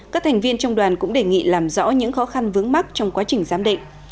các thành viên trong đoàn cũng đề nghị làm rõ những khó khăn vướng mắt trong quá trình giám định